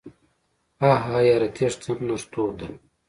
هههههه یاره تیښته هم نرتوب ده